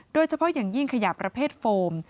โดยเฉพาะอย่างยิ่งขยะประเภทโฟม